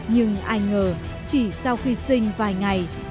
nhưng ai ngờ chỉ sau khi sinh vài ngày